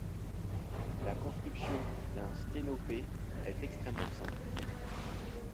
La construction d'un sténopé est extrêmement simple.